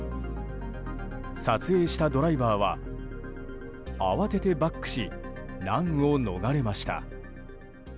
撮影したドライバーは慌ててバックし難を逃れました。